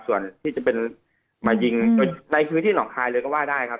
ส่วนที่จะเป็นมายิงในพื้นที่หนองคายเลยก็ว่าได้ครับ